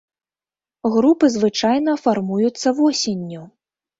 Групы звычайна фармуюцца восенню.